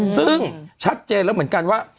ซึ่งชัดเจนแล้วเหมือนกันว่า